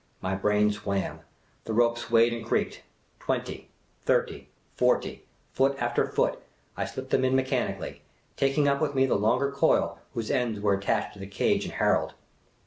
My brain swam ; the rope swayed and creaked. Twenty, thirty, forty ! Foot after foot, I slipped them in mechanically, taking up with me the longer coil whose ends were attached to the cage and Harold.